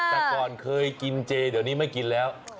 แต่ก่อนเคยกินเจเดี๋ยวนี้ไม่กินแล้ว